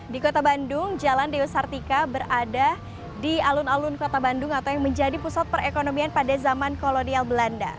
di kota bandung jalan dewi sartika berada di alun alun kota bandung atau yang menjadi pusat perekonomian pada zaman kolonial belanda